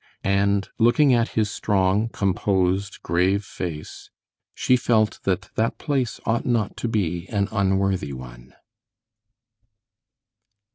And looking at his strong, composed, grave face, she felt that that place ought not to be an unworthy one.